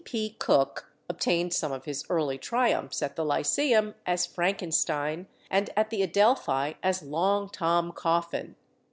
T. P. Cooke obtained some of his early triumphs at the Lyceum as Frankenstein, and at the Adelphi as Long Tom Coffin.